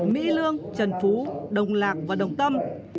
mỹ lương trần phú đồng lạc và đồng tâm